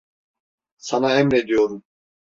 Sana emrediyorum!